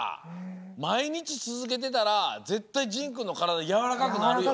まいにちつづけてたらぜったいじんくんのからだやわらかくなるよ。